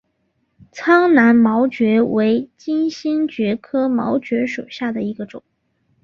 苍南毛蕨为金星蕨科毛蕨属下的一个种。